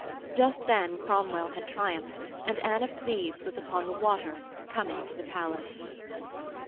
Just then Cromwell had triumphed, and Anne of Cleves was upon the water coming to the palace.